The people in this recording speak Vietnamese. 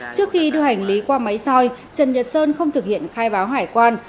trước khi đưa hành lý qua máy soi trần nhật sơn không thực hiện khai báo hải quan